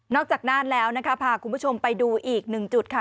นอกจากนั้นแล้วนะคะพาคุณผู้ชมไปดูอีก๑จุดค่ะ